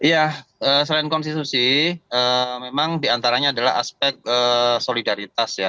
ya selain konstitusi memang diantaranya adalah aspek solidaritas ya